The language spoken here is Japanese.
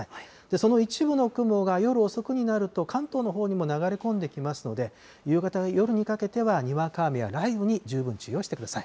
その一部の雲が夜遅くになると関東のほうにも流れ込んできますので、夕方、夜にかけてはにわか雨や雷雨に十分注意をしてください。